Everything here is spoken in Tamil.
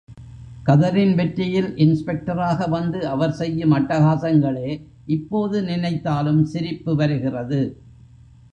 கதரின் வெற்றியில் இன்ஸ் பெக்டராக வந்து அவர் செய்யும் அட்டகாசங்களே இப்போது நினைத்தாலும் சிரிப்பு வருகிறது.